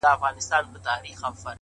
هره پوښتنه نوی فکر راویښوي؛